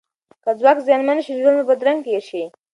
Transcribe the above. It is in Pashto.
که ځواک زیانمن شي، ژوند به بدرنګ تیر شي.